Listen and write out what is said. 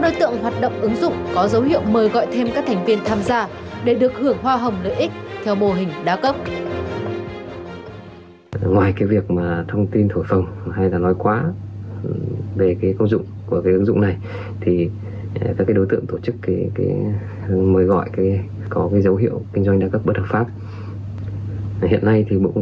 đối tượng tổ chức mới gọi có cái dấu hiệu kinh doanh đa cấp bất hợp pháp hiện nay thì bộ công